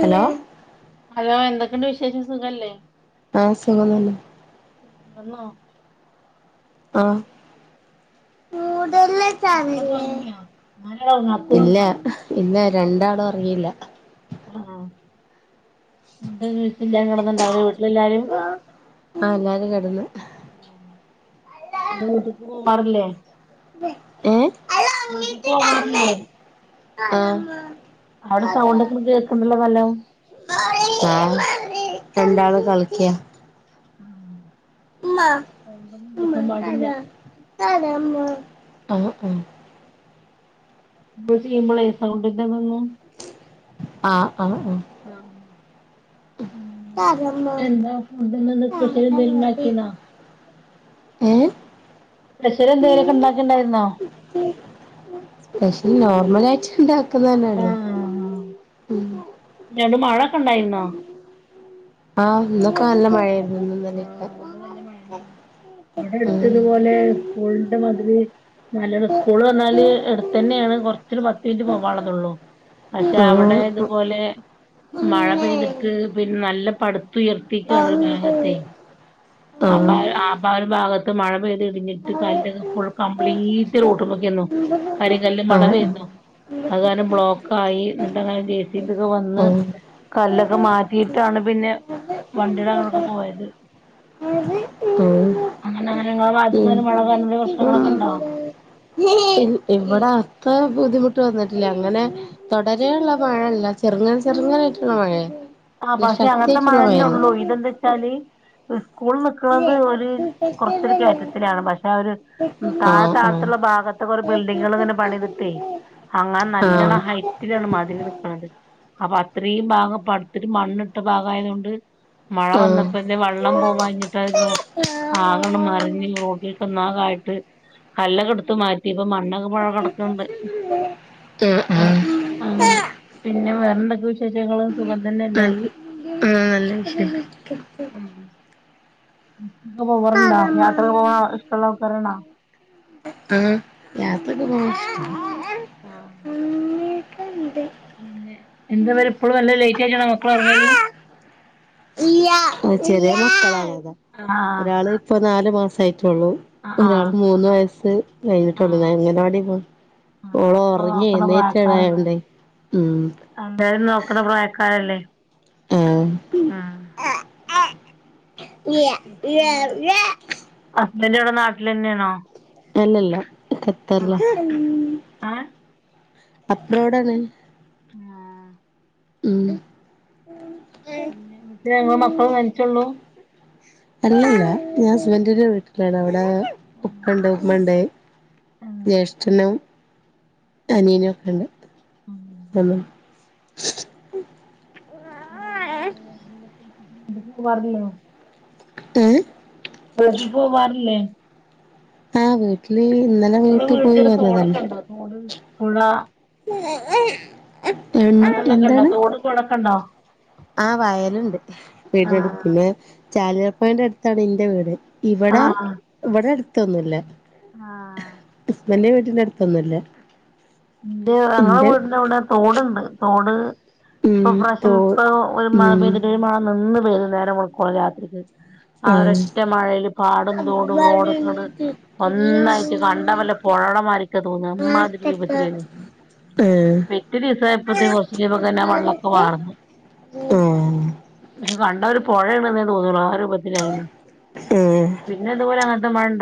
ല്ലോ ഹലോ എന്തൊക്കെയുണ്ട് വിശേഷം സുഖല്ലേ ആ സുഖമല്ലെ നടന്നോ ആ മക്കളൊക്കെ പററങ്ങിയാ ഞാനടപ്പും ഇല്ല ഇല്ല രണ്ടാളും ഒറങ്ങിയില്ല ആ ഉണ്ട് വീട്ട ഞാൻ കിടന്നുണ്ടാവ വി ആ എല്ലാരും കിടന്ന് എന്താ വീട്ടിക്ക് പോവാറില്ലേ ഏഹ് പോവാറില്ലേ ആഹ് അവിടെ സൗണ്ട ഒക്ക കേൾക്കണ്ടല്ല ഫലവും ആ രണ്ടാള് കളിക്കിയ ആ ഉമ്മ ഉ താട പാടില്ല താടാ ഉമ്മ അ അ ന ചെയ്യുമ്പോള സ കൊണ്ട് ഇത വന്നു ആ ആ ആ പിന്നെ കാര എന്താ ഫുഡിന് ഇന്ന് ആ സ്പെഷ്യൽ എന്തേലും ഉണ്ടാക്കീനോ ഏ പ്രഷര എന്തെങ്കിലുമൊക്കെ ഉണ്ടാക്കിണ്ടായിരുന്നോ മലാഴ്ച ഉണ്ടാക്കുന്ന തന്നെയള്ളു ട് മഴൊക്കെ ഇണ്ടായിന്നോ ആഹ് ഇന്നൊക്കെ നല്ല മഴ ന്നക്ക ആഹ് ഇവിടെ നല്ല മഴന്നെ ഇവിടെ ഉ എടുത്തതുപോലെ നല്ല സ്കൂള് പറഞ്ഞാല് എടുത്തു തന്നെയാണ് കൊറച്ചരു പത്ത് മിനിറ്റ് പോവുള്ളതള്ളു പക്ഷെ ആഹ് അവിടെ ഇതുപോലെ മഴ പെയ്തിട്ട് പിന്നെ നല്ല പടുത്തുയർത്തിക്കാണ് മേഗ [unintelligible] അപ്പ ആഹ് ആപ്പ [unintelligible] ഒരു ഭാഗത്ത് മഴ പെയ്ത് ഇടിഞ്ഞിട്ട് കല്ലെ കല്ല് ഫുൾ കംപ്ലീറ്റ് റോഡിക്കുവാന്ന് കരി കല്ല് മണ [unintelligible] ആഹ് വരുന്നു അതെ ബ്ലോക്ക് ആയി എന്നിട്ട് അങ്ങനെ കെഎസ്ഇബി ഒക്കെ വന്ന് ആഹ് കല്ലൊക്കെ മാറ്റിയിട്ടാണ് പിന്നെ വണ്ടി അങ്ങനൊക്കെ പോയത് ആഹ് ആഹ് അങ്ങനെ അങ്ങനെ നാട്ടില് മഴ വാരൽ [unintelligible] പ്രശ്നങ്ങളൊക്കെ ഉണ്ടോ ഇവിടെ അത്ര ബുദ്ധിമുട്ട് വന്നിട്ടില്ല അങ്ങനെ തുടരെയുള്ള മഴ ഇല്ല ചെറുങ്ങനെ ചെറുങ്ങന മേ [unintelligible] ആ പക്ഷെ അങ്ങനത്തെ മഴന്നെ ഉള്ളൂ ഇതെന്താ വെച്ചാല് സ്കൂളിൽ നിക്കുന്നത് ഒരു കുറച്ചൊരു കയറ്റത്തിലാണ് പക്ഷെ ആ ഒരു ഉ താഴെ ആഹ് താഴത്തുള്ള ഭാഗത്തെ കുറെ ബിൽഡിങ്ങൾ ഇങ്ങനെ പണി ഇട്ടനെ അങ്ങാൻ നല്ലോണം ആഹ് ഹൈറ്റിലാണ് മതിൽ നൽക്കണത് അപ്പൊ അത്ര ഇത്രയും ഭാഗം പടുത്തിട്ട് [unintelligible] മണ്ണിട്ട ഭാഗ ആയത് കൊണ്ട് മഴ ആഹ് ആഹ് വന്നപ്പോ വെള്ളം പോകഴഞ്ഞിട്ട് [unintelligible] ആകണം മറിഞ്ഞ് റോട്ടിലട്ട്ന്നാക [unintelligible] ആട്ട് കല്ല കെടുത്ത് മാറ്റി ഇപ്പൊ മണ്ണൊക്കെ പുഴ [unintelligible] കിടക്കുന്നുണ്ട് ആഹ് ആ ആഹ് അങ്ങനെ പിന്നെ വേറെന്തൊക്കെ വിശേഷങ്ങൾ സുഖം തന്നെയല്ലേ നല്ല ആ നല്ല വിഷ [unintelligible] പോവറണ്ടാ [unintelligible] യാത്ര പോവാൻ ഇഷ്ടമുള്ള ആൾക്കാരാണ് ആ ഞാത്തക്ക [unintelligible] പോകും ആ ആണ്ട് [unintelligible] പിന്നെ എന്താ പേര് ഇപ്പോഴും വല്ല ലേറ്റ് ആയിച്ചണം [unintelligible] മക്കള ഇറങ്ങല് ചെറിയ മക്കളാണ് ആഹ് ഒരാള് ഇപ്പൊ നാല് മാസം ആഹ് ഒരാൾ ആഹ് മൂന്ന് വയസ് കഴിഞ്ഞിട്ടുള്ളു ഞാൻ ആഹ് എങ്ങനെ വാട [unintelligible] പോ ആഹ് ഓളോ ഉറങ്ങി എണീറ്റത് ആയ കൊണ്ടേ എന്തായാലും നോക്കണ പ്രായക്കാരല്ലേ ആഹ് ആ ഹസ്ബൻഡ് അവിടെ നാട്ടിൽന്നെയണോ അല്ലല്ലോ ഖത്തറല്ല ഏഹ് അപ്പഴോടാണ് [unintelligible] ആ പിന്നെ പിന്നെ മറ്റേ ഞങ്ങള് മക്കളും തനിച്ചുള്ള അല്ലല്ല ഞാൻ ഹുസ്ബൻ [unintelligible] വീട്ടിലാണ് അവിടെ ഉപ്പ ഉണ്ട് ഉമ്മ ഉണ്ട് ജേഷ്ഠനും അനിയനൊക്കെണ്ട് ആ മാ [unintelligible] ഏ പോവാറില്ലേ ആ വീട്ടില് ഇന്നലെ നിങ്ങളെ വീട്ടിൽ വീടിന്റെ പോയി അടുത്ത് വന്നതാണ് തോടൊക്കെ ഉണ്ടോ തോട് പുഴ അങ്ങനെൊക്കെ [unintelligible] ഉണ്ടോ തോടും പുഴയൊക്കെ ഉണ്ടോ ആ വയലുണ്ട് വീടിനടുത്ത് ആഹ് പിന്നെ ചാലരപ്പയിന്റെ അടുത്താണ് ഇന്റെ വീട് ഇവിടെ ആഹ് ഇവിടെ അടുത്തൊന്നും ഇല്ല ഹസ്ബന്റിന്റെ വീട്ടിൽ അടുത്തൊന്നുമല്ല എന്റെ ഞങ്ങളടെ വീടിന്റെ എവിടെ തോടുണ്ട് തോട് ഉം ഇപ്പൊ പ്രാവശ്യം തോ ഇപ്പൊ ഒരു മഴ ഉം പെയ്തിട്ട് ഒരു മഴ നിന്ന് പെയ്ത് നേരം വെളുക്കുവോളം രാത്രിക്ക് ആ ആഹ് ഒരൊറ്റ മഴയില് പാടും തോടും റോഡൊക്കെ അങ്ങോട്ട് ഒന്നായിട്ട് കണ്ട വല്ല പുഴയുടെ മാതിരിക്കാ തോന്നുന്നു അമാതിരി ആ എട്ടാം ദിവസായപ്പ കുറച്ച് ഇപ്പൊ തന്നെ വെള്ളൊക്കെ വാർന്നു ആഹ് പക്ഷെ കണ്ട ഒരു [unintelligible] പുഴ ഇടന്നേ തോന്നുള്ളൂ ആ രൂപത്തിലായിന്ന ആഹ് പിന്നെ ഇതുപോലെ അന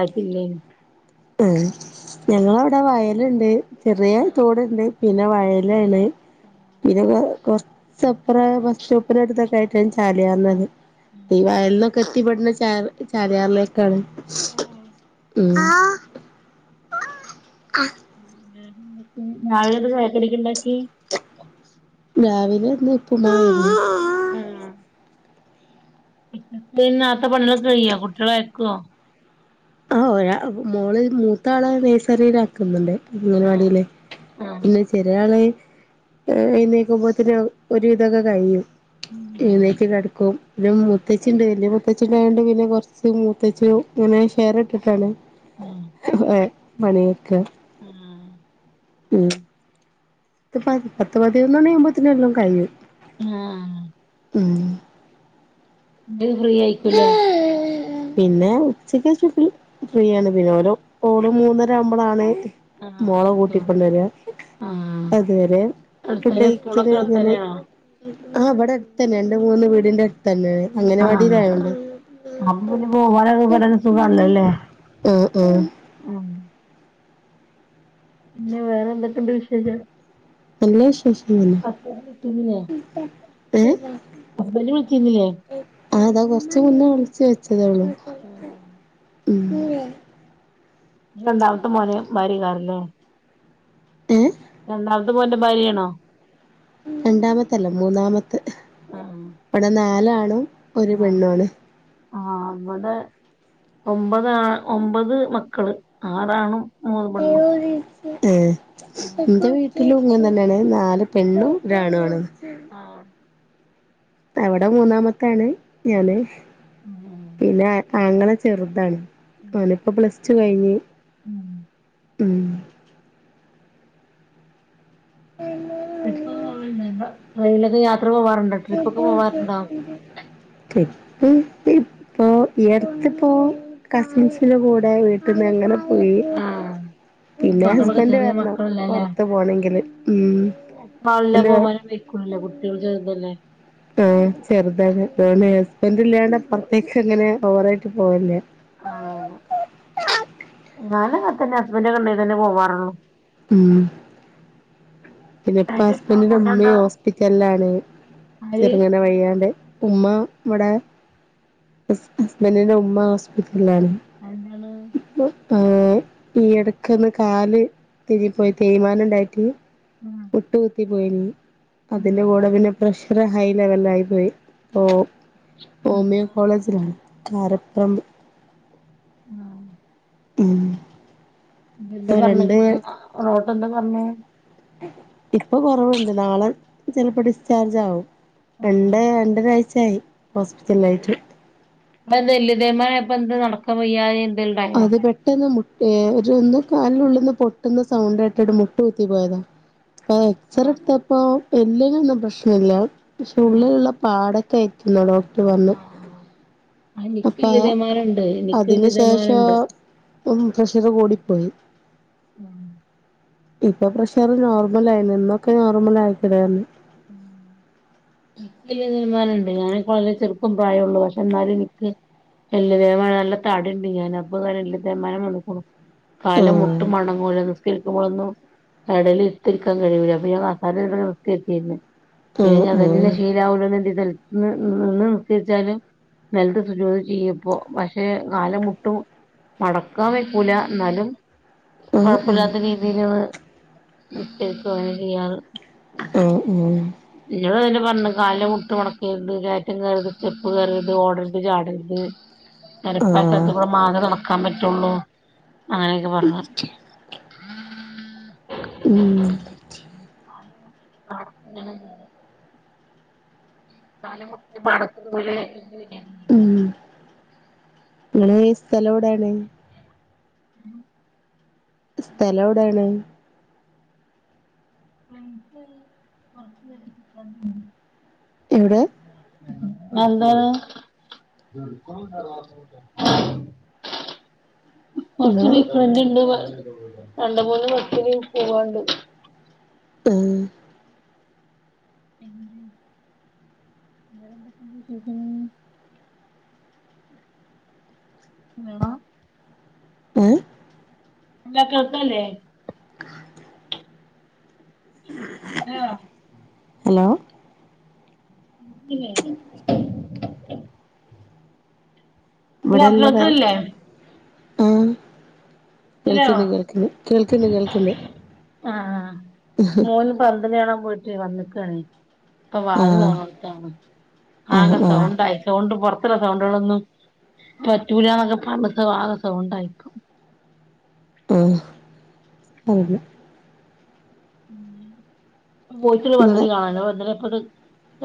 ആായിത്തില്ലേ ഉ ഞങ്ങളവിടെ വയലുണ്ട് ചെറിയ ചോടുണ്ട് പിന്നെ വയലാണ് പിന്നെ കുറച്ചപ്പ ബസ് സ്റ്റോപ്പിന അടുത്തൊക്കെ ആയിട്ട ചാലിയന്നത് ഈ ഉം വയൽന്നൊക്കെ കത്തിപ്പെെടുന്ന ച ചാരിയാറിലൊക്കാണ് ഉ ഞാഴ ചക്കടക്ക് ഉണ്ടാക്കി രാവിലെ ഇന്ന്പ്പണ ആ കുട്ടന്നാത്തെ പണികളൊ കഴ്യ കുട്ടികള ആക്കുവോ ആ ഒ മോളിൽ മൂത്താ ആള നഴ്സറിയില ആാക്കുന്നുണ്ട് ആഹ് അങ്ങനെവാാടില്ലേ ആഹ് പിന്നെ ചെറയാളെ എഴുന്നേക്കുമ്പോ തന്നെ ഒരു ഇതൊക്കെ കഴിയും എഴുന്നേറ്റ് കിടക്കും പിന്നെ മൂത്തച്ചിണ്ട് വലിയ മുൂത്തച്ച്ചിണ്ടായണ്ട് പിന്നെ കുറച്ച് മൂത്തച്ചു ഇങ്ങനെ ഷെയർ ഇട്ടിട്ടാണ് ഹ മണിക്ക് ആ ഉ പത്ത് പ പത്ത് പതിനന്നോ അ്പത്തിന എല്ലാം കഴു ആ ഉം അത് ഫ്രീ ആയിക്കൂല്ലേ പിന്നെ ഉച്ചക്ക് ചു ഫ്രീയാണ് പിന്നെ ഓരോ ഓള് മൂന്നരവുമ്പോളാണ് മോള ആഹ് ഉം കൂട്ടിക്കൊണ്ടുവരാ ആഹ് അതുവരെ അടുത്തന്നെ ഫുഡഴിക്കല് സ്കൂളൊക്കെ കഴിഞ്ഞല് അടുത്തന്നെയാണോ ആ അവിടെ അടുത്ത തന്നെയ ഉണ്ട് മൂന്ന് വീടിറെ അടുത്ത് തന്നെ അങ്ങനെ വാടിതായണ്ട് പ്പോ വളരെ വന്ന സുഖല്ലോല്ലേ ആ ആ പിന്നെ വേറെ എന്തൊക്കെയുണ്ട് വിശേഷം അല്ലേ ശേഷ അ പ്രത്തിതിന [unintelligible] ഏ ആ അതാ കൊറച്ച മുന്നേ രിച്ച വെച്ചതേള്ളൂ ഉ രണ്ടാമത്തും പോനേ മാറി കറല്ലേ ഉ രണ്ടാമത്തെ പോന്റെ ഭാര്യയാണോ രണ്ടാമത്തല്ല മൂന്നാമത്ത് ഇവിടെ നാലാണോ ആ ആ നമ്മടെ ഒമ്പതാ ഒമ്പത് മക്കള് ആറാണ മൂന്ന് പെണ്ണും ഏ എന്റെ വീട്ടിലും ഇങ്ങനെ തന്നെയാണ് നാല് പെണ്ണും ഒണു ആമാണ് ആ അവിടെ മൂന്നാമത്താണ് ഞാന് ഉം പിന്നെ ആങ്ങളെ ചെറുതാണ് അവനിപ്പോ പ്ലസ് ടു കഴിഞ്ഞ് ഉം ഉം ഉം [unintelligible] ഇ ട്രെയിലൊക്കെയാത്ര [inaudible] ഇപ്പൊ ഇടുത്ത്പ്പോ കസിൻസിന്റെ കൂടെ വീട്ടന്ന് എങ്ങനെ ആഹ് പിന്നെ മക്കളൊക്കെ ഹസ്ബന്റ് ചെറിയ വരണം പുൊറത്ത് പോണെങ്കില് ഉ [unintelligible] ക്കില്ല കുട്ടികൾക്ക് ആ ചെറുതെ ഞ ഹസ്ബൻഡ ഇല്ലാണ്ട് പുറത്തേക്ക അങ്ങനെ ഓവറ ആായിട്ട് പോവല്ലേ ആ ഞാനങ്ങതനെ ഹസ്ബന്റൊക്കെടെതന്നെ പോവാറുള്ളു. ഉം. പിന്നെ ഇപ്പൊ ഏറ്റവും ഇഷ്ടമുള്ള ഹസ്ബൻഡന്റെ ഫുഡ് എന്താ ഇമ്മേം ഹോസ്പിറ്റലിലാണ് ആര് ചെറുങ്ങനെ വയ്യാണ്ട്. ഉമ്മ ഇവടെ ഹസ്ബൻഡിന്റെ ഉമ്മ ഹോസ്പ. ലാലേ എന്താണ് ഇപ്പോ. ആ ഈ ഇടക്കന്ന് കാല് തിരി പോയി തേമാനം ഇണ്ടായിട്ട്. ആഹ് മുട്ട് കുത്തി പോയിനി അതിന്റെ കൂടെ പിന്നെ പ്രഷർ ഹൈ ലെവലായി പോയി. ഓ ഓ മിയോ കോളേജിലാണ് കാരപറമ്പ്. ആ ഉം. നിട്ട് എന്താ ഇപ്പൊ രണ്ട് പറഞ്ഞക്കണെ ടോട്ടർ എന്താ പറഞ്ഞ. ഇപ്പൊ കൊറവുണ്ട് നാളെ ചിലപ്പോ ഡിസ്ചാർജ് ആവും. രണ്ട് രണ്ടരാഴ്ചയായി ഹോസ്പിറ്റലിലായിട്ട്. അപ്പൊ എന്ത എല്തെയ്മാനയിപ്പൊ എന്ത് നടക്കാ വയായി. അത് പെട്ടെന്ന് മു. ഏ ഒന്ന് കാലിലുള്ളന്ന് പൊട്ടുന്ന സൗണ്ടെട്ടിട്ട് മുട്ട് കുത്തി പോയതാ. എക്സറ ആഹ് എടുത്തപ്പോ എലിനൊന്നും പ്രശ്നല്ല പക്ഷെ ആഹ് ഉള്ളിലുള്ള പാട. എത്തുന്നോ ഡോക്ടർ പറഞ്ഞെ. ആഹ് എനിക്ക് പ്പ വല്യ തേമാനണ്ട് എനിക്ക് അതിന് വല്യ ശേഷം തേമാനണ്ട് ഉം പ്രഷർ കൂടി. പോയി. ആ. ഇപ്പൊ പ്രഷർ നോർമലായിണ് ഇന്നൊക്കെ നോർമലായിട്ടാണ്. ഇക്ക് എൽത്തെയമാനണ്ട്‌ ഞാൻ പറയുമ്പോ ചെറുപ്പം പ്രായള്ളൂ പക്ഷെ എന്നാലും നിക്ക്. എൽതെയ്മാനം നല്ല തടിണ്ട് ഞാന് അപ്പൊ ഇങ്ങനെ എൽ തെയ്മാനം വന്നക്കണ്. ആഹ് കാലമുട്ട് മടങ്ങൂല. മ്മളൊന്നും കടലൽടുത്തിരിക്കാൻ കഴിയൂല പ്പൊ ഞാൻ കസാരേൽ നൂത്തി വെച്ചിക്കെനു. ആഹ് പിന്നെന്നി അതനെ ശീലാവല്ലോന്ന് നിന്ന് നിർത്തിച്ചാലും. നല്ലത് സുചോദ ചെയ്യ ഇപ്പോ പക്ഷെ കാല മുട്ടും. മടക്കാവയിക്കൂല ന്നാലും. ആഹ് ആഹ് കൊഴപ്പല്ലാത്ത രീതിയില് ചെയ്യാറ്. ഓ ഓ. പറഞ് കാലിന്റെ മുട്ട് മടക്കരുത് കേറ്റം കേറര്ത് സ്റ്റെപ്പ്കേറര്ത് ഓടരുത് ചാടരുത്. ആഹ് നരപ്പാ ആഹ് സ്ഥലത്ത് കൂടെ മാത്രാ നടക്കാൻ പറ്റുള്ളൂ. അങ്ങനെയൊക്കെ പറഞ്ഞു. ഉം. ആ നെ. [unintelligible] ഉം ഇങ്ങനെ സ്ഥലോടാണ്. ഉം. സ്ഥലം എവിടാണ്. [inaudible] എവിടെ. എന്താന്ന്. കൊറച്ച നിങ്ങള് ബെസ്റ്റ് ഫ്രണ്ടിണ്ട് രണ്ട മൂന്ന് വസ്റ്റിൽ പോവാണ്ട്. മ്മ്. വേറൊന്തൊക്കെ സുഖം. എന്നണ. ഏ. ല്ലാ കേൾക്കല്ലേ. ആ ആ ഹലോ ഇ [unintelligible] അല്ല പുത്തല്ലേ ആ കേൾക്കന്ന കേൾക്കന്ന് കേൾക്കന്ന കേൾക്കിന്ന ആ മൂന് പന്തലി കാണാൻ പോയിട്ട് വന്നിക്കയാണ ഇപ്പ ബാതിൽ ആഹ് തോർന്നൊടുത്താണ് ആഹ് ആകെ ആഹ് സൗണ്ടായി സൗണ്ട് പോർത് എത്ര സൗണ്ടുകളൊന്നുംറ്റൂലാണൊക്കെ പറഞ്ഞിട്ട് പ്പാകെ സൗണ്ടായിപ്പ ആ ആ പോയിട്ടില് നിങ്ങളെ വന്നന് കാണല്ല വന്നന ഇപ്പ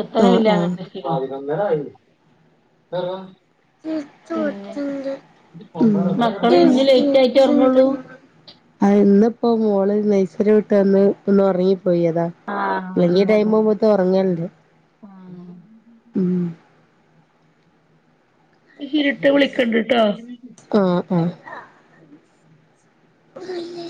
എത്രന ആഹ് ഇല്ല ആഹ് അങ്ങന ച്ചോച്ചന്റെ ഉം മക്കള് ഇന്ന് ലേറ്റ് ആയിട്ടേ ഉറങ്ങുള്ളൂ [unintelligible] ആ ഇന്നിപ്പോ മോള് നൈസര്യം ഇട്ട്ന്ന് ഒന്ന് ഉറങ്ങി പോയിതാ ആഹ് പില്ലെങ്കി ടൈമ പോത്ത ഉറങ്ങണ്ട് ആ മഷരിട്ട് വിളിക്കണ്ടിട്ടോ ആ ആ [unintelligible]